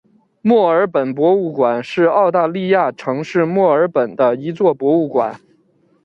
墨尔本博物馆是澳大利亚城市墨尔本的一座博物馆。